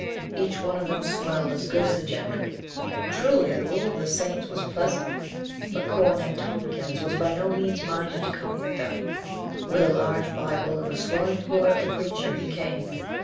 Each one of them swelled as good as the gentry. Truly, the rule of the saints 8o COLONEL GREATHEART was pleasant. But Cornet Tompkins was by no means minded to comfort them. With a large Bible and the swelling port of the preacher, he came.